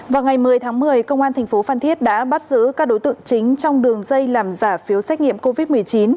vào ngày một mươi tháng một mươi công an thành phố phan thiết đã bắt giữ các đối tượng chính trong đường dây làm giả phiếu xét nghiệm covid một mươi chín